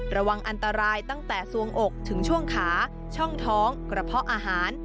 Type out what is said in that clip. ระวังอันตรายตั้งแต่สวงอกถึงช่วงขาช่องท้องกระเพาะอาหาร